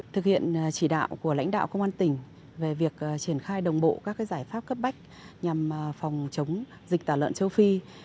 thực hiện chỉ đạo của lãnh đạo công an tỉnh về việc triển khai đồng bộ các giải pháp cấp bách nhằm phòng chống dịch tả lợn châu phi